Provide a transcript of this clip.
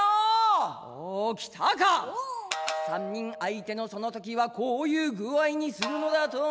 「三人相手のそのときはこういう具合にするのだと」